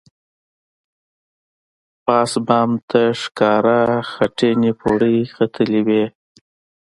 پاس بام ته ښکاره خټینې پوړۍ ختلې وې.